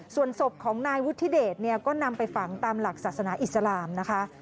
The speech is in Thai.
ส่วนศพของนายวุฒิเดชเนี่ยก็นำไปฝังตามหลักศาสนาอิสลามนะคะ